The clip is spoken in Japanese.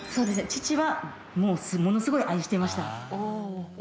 父はものすごい愛してました。